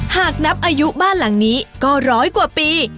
หากนับอายุบ้านหลังนี้ก็ร้อยกว่าปี